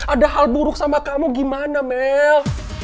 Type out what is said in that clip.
ada hal buruk sama kamu gimana mel